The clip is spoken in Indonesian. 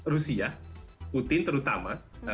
rusia putin terutama